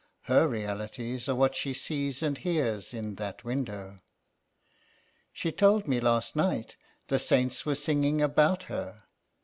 Her realities are what she sees and hears in that window. She told me last night the saints were singing about her.